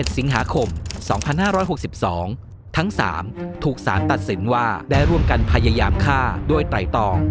สิงหาคม๒๕๖๒ทั้ง๓ถูกสารตัดสินว่าได้ร่วมกันพยายามฆ่าด้วยไตรตอง